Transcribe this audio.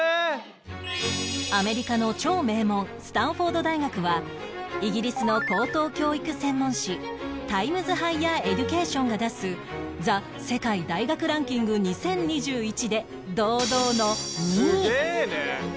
アメリカの超名門スタンフォード大学はイギリスの高等教育専門誌『ＴｉｍｅｓＨｉｇｈｅｒＥｄｕｃａｔｉｏｎ』が出す ＴＨＥ 世界大学ランキング２０２１で堂々の２位！